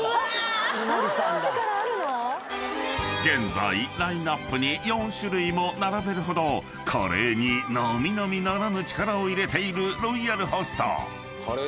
［現在ラインアップに４種類も並べるほどカレーに並々ならぬ力を入れているロイヤルホスト］